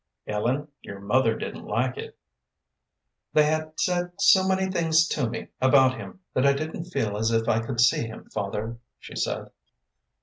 "Ellen, your mother didn't like it." "They had said so many things to me about him that I didn't feel as if I could see him, father," she said.